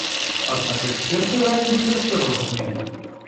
Аднак эксперты раяць быць асцярожнымі.